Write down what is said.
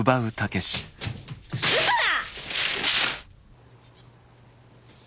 うそだ！